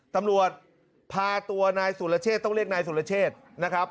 ตำรวจพาตัวนายสุรเชษต้องเรียกนายสุรเชษนะครับ